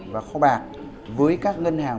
và kho bạc với các ngân hàng